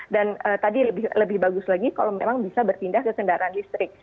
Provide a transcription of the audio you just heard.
dan tadi lebih bagus lagi kalau memang bisa berpindah ke kendaraan listrik